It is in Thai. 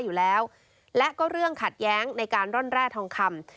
อยู่แล้วและก็เรื่องขัดแย้งในการร่อนแร่ทองคำ